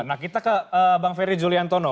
nah kita ke bang ferry juliantono